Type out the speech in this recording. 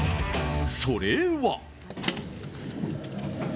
それは。